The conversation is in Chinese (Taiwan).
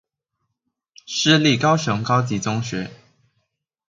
市立高雄高級中學